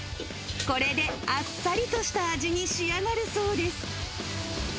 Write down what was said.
これで、あっさりとした味に仕上がるそうです。